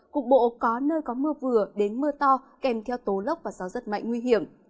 cục bộ có nơi có mưa vừa đến mưa to kèm theo tố lốc và gió rất mạnh nguy hiểm